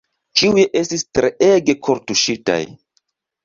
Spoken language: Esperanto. Ĉiuj estis treege kortuŝitaj.